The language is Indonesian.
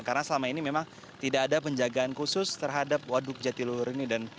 karena selama ini memang tidak ada penjagaan khusus terhadap waduk jatiluhur ini